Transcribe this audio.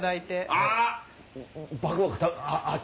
あっ！